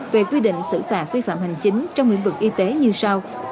về quy định xử phạt vi phạm hành chính trong lĩnh vực y tế như sau